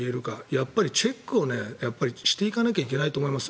やっぱりチェックをしていかなきゃいけないと思います。